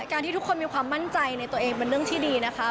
ที่ทุกคนมีความมั่นใจในตัวเองเป็นเรื่องที่ดีนะคะ